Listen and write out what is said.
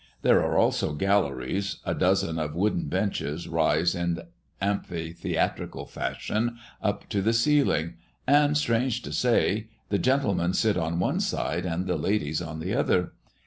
There are also galleries a dozen of wooden benches rise in amphitheatrical fashion up to the ceiling; and, strange to say, the gentlemen sit on one side and the ladies on the other.